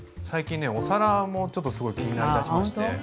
最近ねお皿もちょっとすごい気になりだしまして。